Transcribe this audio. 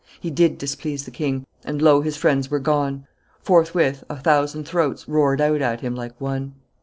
He did displease the king; and lo his friends were gone Forthwith a thousand throats roared out at him like one.